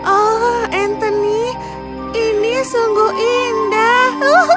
oh anthony ini sungguh indah